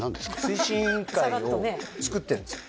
推進委員会をつくってるんですよ